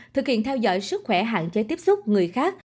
thực hiện theo dõi sức khỏe hạn chế tiếp xúc người khác